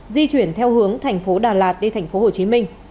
di chuyển theo hướng thành phố đà lạt đi thành phố hồ chí minh